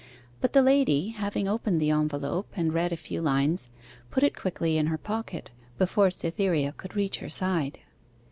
But the lady, having opened the envelope and read a few lines, put it quickly in her pocket, before Cytherea could reach her side.